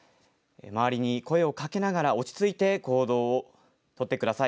周りに声をかけながら落ち着いて行動を取ってください。